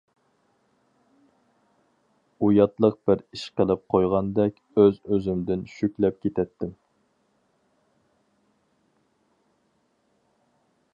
ئۇياتلىق بىر ئىش قىلىپ قويغاندەك ئۆز-ئۆزۈمدىن شۈكلەپ كېتەتتىم.